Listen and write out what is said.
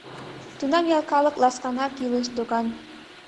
Тунам ял калык ласканак илыш докан.